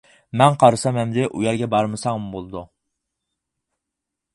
مەن قارىسام، ئەمدى ئۇ يەرگە بارمىساڭمۇ بولىدۇ.